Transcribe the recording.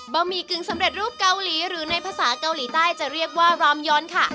หมี่กึ่งสำเร็จรูปเกาหลีหรือในภาษาเกาหลีใต้จะเรียกว่ารามย้อนค่ะ